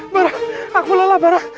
barah aku lelah barah